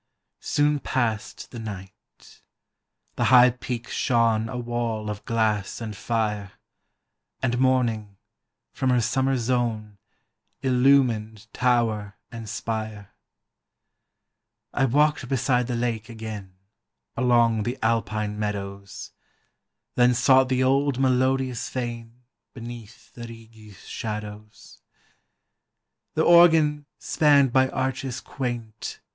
Soon passed the night : the high peaks shone A wall of glass and fire, And Morning, from her summer zone, Illumined tower and spire ; I walked beside the lake again, Along the Alpine meadows ; Then sought the old melodious fane Beneath the Righi's shadows. The organ, spanned by arches quaint.